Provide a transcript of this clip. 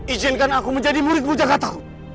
izinkan aku menjadi muridmu jakarta